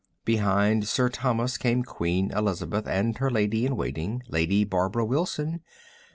Behind Sir Thomas came Queen Elizabeth and her Lady in Waiting, Lady Barbara Wilson.